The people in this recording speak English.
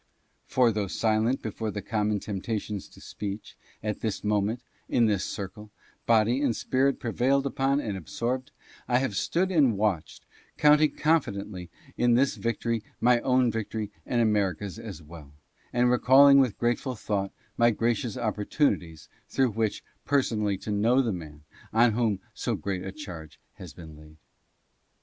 For though silent before the common temptations to speech, at this moment, in this circle, body and spirit prevailed upon and absorbed, I have stood and watched, counting confidently in this victory my own victory and America's as well, and recalling with grateful thought my gracious opportunities through which per sonally to know the man on whom so great a charge had been laid.